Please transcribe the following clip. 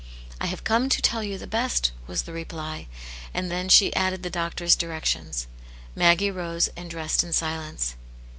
" I have come to tell the best," was the reply. And then she added the doctor's directions. Maggie rose, and dressed in silence.